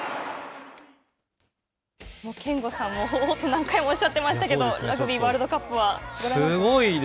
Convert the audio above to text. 憲剛さんも、おーっと何回もおっしゃっていましたけど、ラグビーワールドカップはご覧になって。